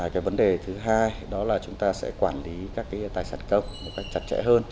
cái vấn đề thứ hai đó là chúng ta sẽ quản lý các cái tài sản công một cách chặt chẽ hơn